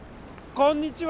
こんにちは。